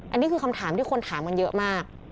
อันนี้คือคำถามที่คนถามกันเยอะมาก